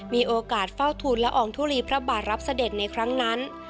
มีโอกาสเฝ้าทุนละอองทุลีพระบาทรับเสด็จในครั้งนั้น